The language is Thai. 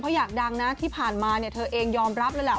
เพราะอยากดังนะที่ผ่านมาเนี่ยเธอเองยอมรับเลยแหละ